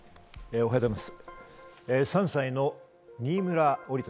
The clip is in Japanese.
おはようございます。